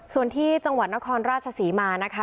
ส่วนที่จังหวัดนครราชศรีมานะคะ